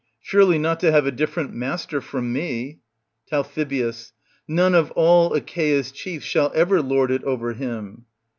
Surely not to have a different master from me ? Tal. None of all Achsea's chiefs shall ever lord it over him.